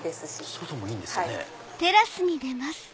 外もいいんですね。